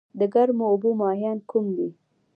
د ګرمو اوبو ماهیان کوم دي؟